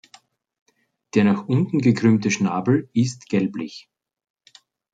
Der nach unten gekrümmte Schnabel ist gelblich.